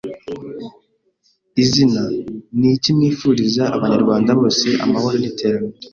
Izina) Ni iki mwifuriza Abanyarwanda bose? Amahoro n’iterambere